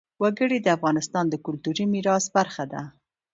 وګړي د افغانستان د کلتوري میراث برخه ده.